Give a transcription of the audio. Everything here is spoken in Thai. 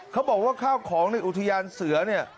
เขาบอกว่าข้าวของในอุทยานเสือเนี่ย